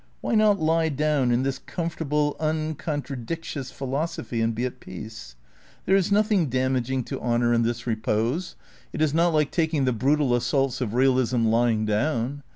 Why not lie down in this comfortable, uncontradictious philosophy and be at peace ? There is nothing damaging to honour 94 THE NEW IDEALISM m in this repose ; it is not like taking the brutal assaults of realism lying down.